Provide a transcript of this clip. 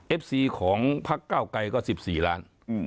ซีของพักเก้าไกรก็๑๔ล้าน